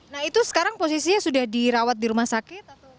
nah itu sekarang posisinya sudah dirawat di rumah sakit